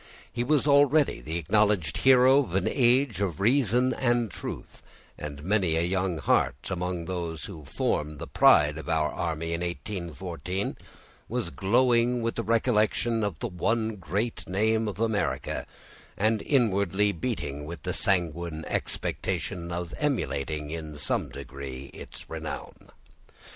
He was already the acknowledged hero of an age of reason and truth; and many a young heart, amongst those who formed the pride of our army in 1814, was glowing with the recollection of the one great name of America, and inwardly beating with the sanguine expectation of emulating, in some degree, its renown.